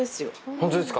ホントですか？